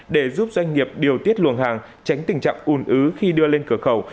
để giúp doanh nghiệp điều tiết luồng hàng tránh tình trạng ùn ứ khi đưa lên cửa khẩu